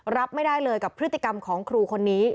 รับไม่ได้เลยกับพฤติกรรมของครูคนนี้